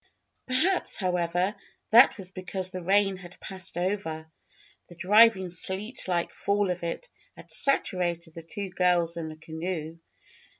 Perhaps, however, that was because the rain had passed over. The driving sleet like fall of it had saturated the two girls in the canoe.